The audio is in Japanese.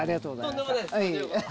とんでもないです。